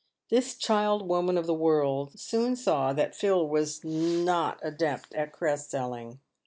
This child woman of the world soon saw that Phil was no adept at cress selling.